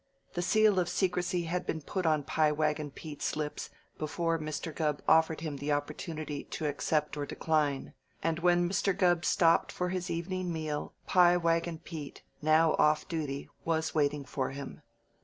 The seal of secrecy had been put on Pie Wagon Pete's lips before Mr. Gubb offered him the opportunity to accept or decline; and when Mr. Gubb stopped for his evening meal, Pie Wagon Pete now off duty was waiting for him.